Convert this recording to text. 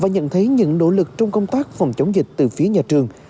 và nhận thấy những nỗ lực trong công tác phòng chống dịch từ phía nhà trường